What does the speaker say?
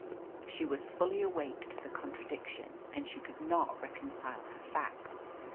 She was fully awake to the contradiction, and she could not reconcile her facts.